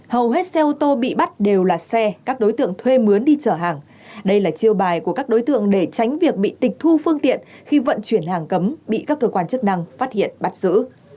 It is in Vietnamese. hầu hết xe ô tô bị bắt đều là xe các đối tượng thuê mướn đi chở hàng đây là chiêu bài của các đối tượng để tránh việc bị tịch thu phương tiện khi vận chuyển hàng cấm bị các cơ quan chức năng phát hiện bắt giữ